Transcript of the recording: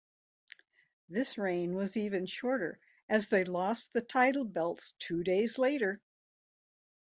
This reign was even shorter, as they lost the title belts two days later.